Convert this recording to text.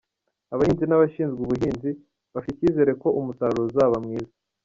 Abahinzi n’abashinzwe ubuhinzi bafite icyizere ko umusaruro uzaba mwiza.